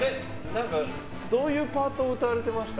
どういうパートを歌われていました？